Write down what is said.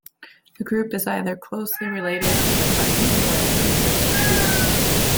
The group is either closely related to the primates or a precursor to them.